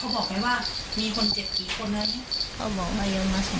๒คนดีที่ใส่ดีมั้ย